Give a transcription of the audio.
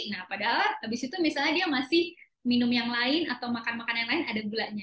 nah padahal habis itu dia masih minum yang lain atau makan makanan yang lain ada gulanya